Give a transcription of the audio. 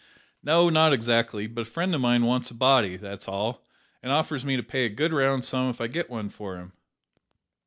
"No, not exactly; but a friend of mine wants a body that's all, and offers to pay me a good round sum if I get one for him."